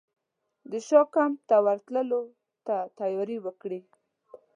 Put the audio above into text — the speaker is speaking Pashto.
د شاه کمپ ته ورتللو ته تیاري وکړي.